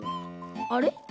あれ？